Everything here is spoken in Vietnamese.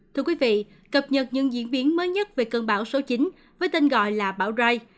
thưa quý vị cập nhật những diễn biến mới nhất về cơn bão số chín với tên gọi là bão rai